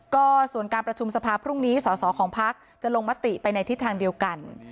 ก็ส่วนการประชุมสภาพรุ่งนี้สอสอของพักจะลงมติไปในทิศทางเดียวกัน